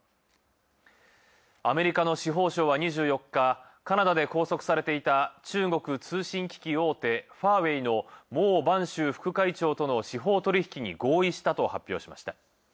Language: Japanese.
アメリカの司法省は２４日、カナダで拘束されていた中国通信機器大手ファーウェイの孟晩舟副会長との司法取引に合意したと発表しました。